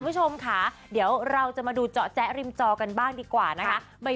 คุณผู้ชมค่ะเดี๋ยวเราจะมาดูเจาะแจ๊ริมจอกันบ้างดีกว่านะคะ